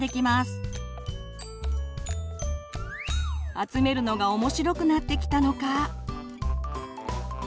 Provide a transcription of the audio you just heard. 集めるのが面白くなってきたのか。